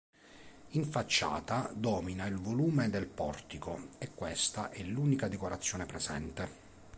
In facciata domina il volume del portico e questa è l'unica decorazione presente.